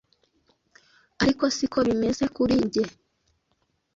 ariko siko bimeze kuri njye.